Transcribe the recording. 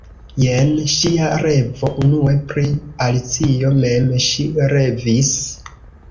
Jen ŝia revo: Unue pri Alicio mem ŝi revis.